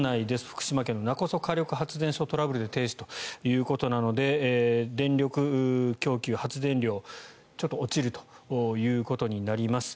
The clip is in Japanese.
福島県の勿来火力発電所停止ということなので電力供給、発電量がちょっと落ちるということになります。